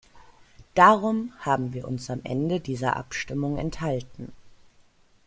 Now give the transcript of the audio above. Darum haben wir uns am Ende dieser Abstimmung enthalten.